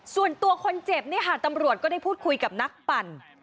ส่วนตัวคนเจ็บเนี่ยค่ะตำรวจก็ได้พูดคุยกับนักปั่น